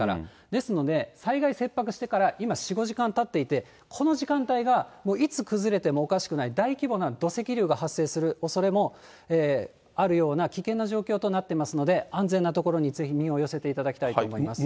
ですので、災害切迫してから今、４、５時間たっていて、この時間帯が、いつ崩れてもおかしくない、大規模な土石流が発生するおそれもあるような危険な状況となってますので、安全な所にぜひ身を寄せていただきたいと思います。